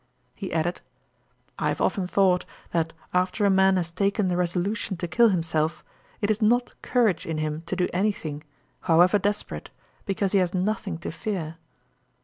He added, 'I have often thought, that after a man has taken the resolution to kill himself, it is not courage in him to do any thing, however desperate, because he has nothing to fear.'